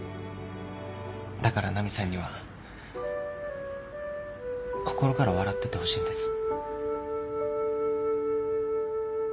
だからナミさんには心から笑っててほしいんです。